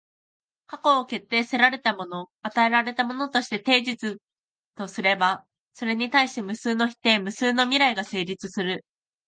過去を決定せられたもの、与えられたものとしてテージスとすれば、それに対し無数の否定、無数の未来が成立する。